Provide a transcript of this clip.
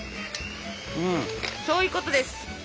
そういうことです。